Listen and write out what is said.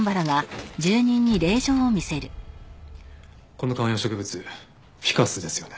この観葉植物フィカスですよね。